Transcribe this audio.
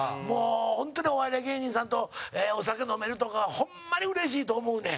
本当に、お笑い芸人さんとお酒飲めるとかホンマにうれしいと思うねん。